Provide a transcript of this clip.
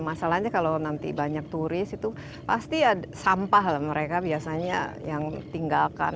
masalahnya kalau nanti banyak turis itu pasti ada sampah lah mereka biasanya yang tinggalkan